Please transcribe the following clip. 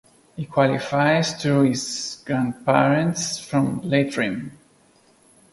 He qualifies through his grandparents from Leitrim.